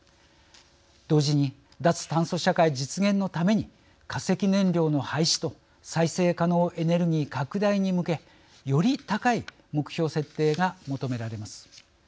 同時に脱炭素社会実現のために化石燃料の廃止と再生可能エネルギー拡大に向けより高い目標設定が求められます。